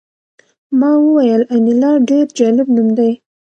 ما وویل انیلا ډېر جالب نوم دی